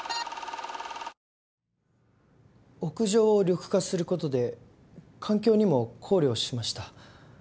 屋上を緑化することで環境にも考慮しました。